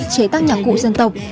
chế tác nhạc cụ dân tộc